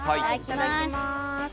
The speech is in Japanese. いただきます。